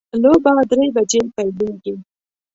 لوبه درې بجې پیلیږي